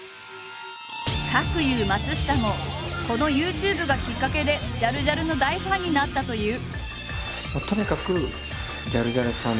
かくいう松下もこのＹｏｕＴｕｂｅがきっかけでジャルジャルの大ファンになったという。